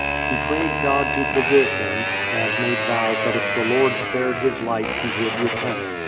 He prayed God to forgive him, and made vows that if the Lord spared his life, he would repent.